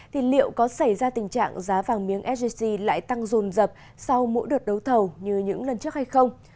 thì liệu có xảy ra tình trạng giá vàng miếng sgc lại tăng rồn rập sau mỗi đợt đấu thầu như những lần trước hay không